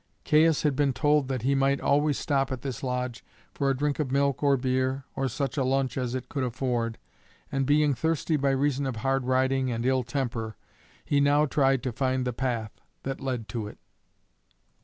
Caius had been told that he might always stop at this lodge for a drink of milk or beer or such a lunch as it could afford, and being thirsty by reason of hard riding and ill temper, he now tried to find the path that led to it.